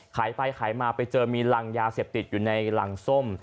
ขายไปขายมาไปเจอมีรังยาเสพติดอยู่ในรังส้ม